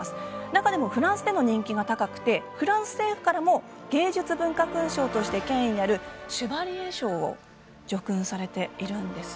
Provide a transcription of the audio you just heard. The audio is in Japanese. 中でもフランスでの人気が高くてフランス政府からも芸術文化勲章として権威あるシュヴァリエ賞を叙勲されているんです。